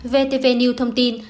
vtv news thông tin